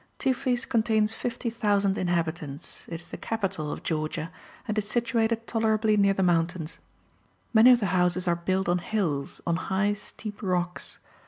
Tiflis contains 50,000 inhabitants, it is the capital of Georgia, and is situated tolerably near the mountains. Many of the houses are built on hills, on high steep rocks.